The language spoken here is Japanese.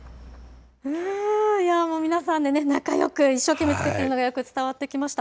皆さん、仲よく一生懸命作っているのが、よく伝わってきました。